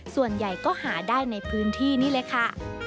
ส่วนใหญ่ก็หาได้ในพื้นที่นี่เลยค่ะ